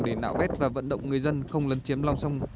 để nạo vét và vận động người dân không lấn chiếm lòng sông